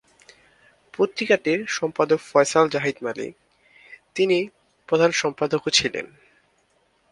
পত্রিকাটির সম্পাদক ফয়সাল জাহিদ মালিক, যিনি প্রধান সম্পাদকও ছিলেন।